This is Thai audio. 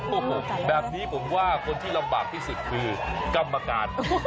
โอ้โหแบบนี้ผมว่าคนที่ลำบากที่สุดคือกรรมการ